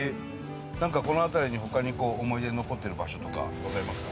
この辺りに他に思い出に残ってる場所とかございますか？